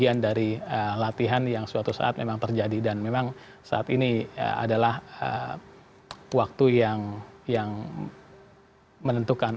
jadi maksudnya ini adalah bagian dari latihan yang suatu saat memang terjadi dan memang saat ini adalah waktu yang menentukan